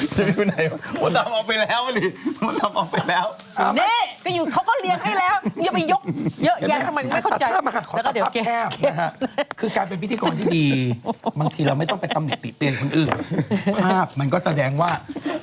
นี่เป็นไงเพราะตามออกไปแล้วเขาก็เลี้ยงให้แล้วอย่าเป็นยกเยอะแก่ยังทำไมไม่เข้าใจ